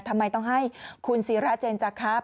ทำไมต้องให้คุณซีราเจนจะคร้าว